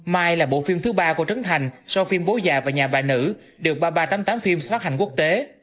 my là bộ phim thứ ba của trấn thành sau phim bố già và nhà bà nữ được ba nghìn ba trăm tám mươi tám films phát hành quốc tế